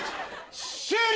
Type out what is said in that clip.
終了！